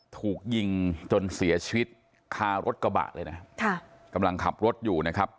ถูกยิงจนเสียชีวิตคารถกระบะเลยนะค่ะกำลังขับรถอยู่นะครับ